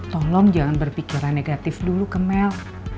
tolong jangan berpikiran negatif dulu ke mel